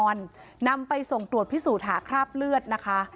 นำไปส่งตรวจพิสูจน์หาคราบเลือดนะคะ